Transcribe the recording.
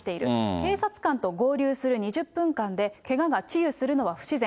警察官と合流する２０分間で、けがが治癒するのは不自然。